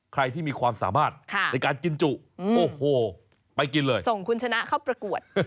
ใครที่มีความสามารถในการกินจุโอ้โหไปกินเลยส่งคุณชนะเข้าประกวด